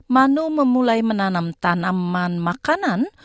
mano memulai menanam tanaman makanan